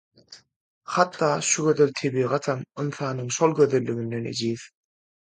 Hatda şu gözel tebigatam ynsanyň şol gözelliginden ejiz.